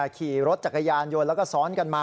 ขี่รถจักรยานยนต์แล้วก็ซ้อนกันมา